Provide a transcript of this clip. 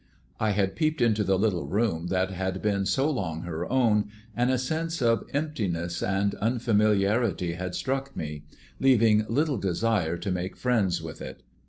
I had peeped into the little room that had been so long her own, and a sense of emptiness and unfamiliarity had struck me, leaving little desire to make friends with it.